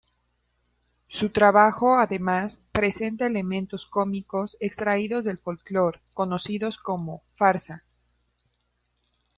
Su trabajo además presenta elementos cómicos extraídos del folclore, conocidos como farsa.